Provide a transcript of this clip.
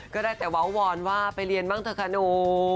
ก็ได้แต่เว้าวอนว่าไปเรียนบ้างเถอะค่ะหนู